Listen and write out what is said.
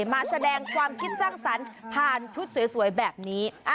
มาแสดงความคิดสร้างสรรค์ผ่านชุดสวยแบบนี้